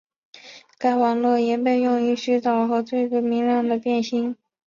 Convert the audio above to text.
该网络也被用于寻找和追逐明亮的变星。